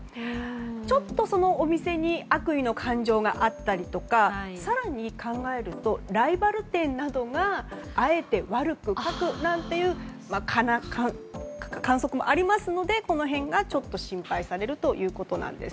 ちょっとお店に悪意の感情があったりとか更に考えるとライバル店などがあえて悪く書くなんて観測もありますのでこの辺が心配されるということなんです。